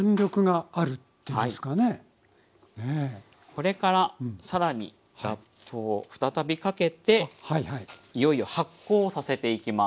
これから更にラップを再びかけていよいよ発酵させていきます。